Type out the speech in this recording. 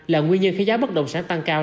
là nguyên nhân khiến giá bất động sản tăng cao